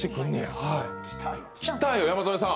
来たよ、山添さん！